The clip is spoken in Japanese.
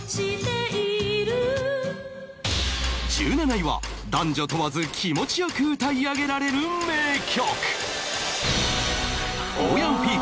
１７位は男女問わず気持ち良く歌い上げられる名曲